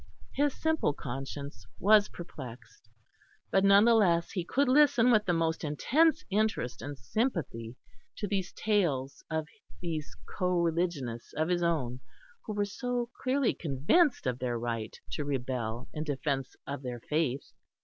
His simple conscience was perplexed. But none the less he could listen with the most intense interest and sympathy to these tales of these co religionists of his own, who were so clearly convinced of their right to rebel in defence of their faith.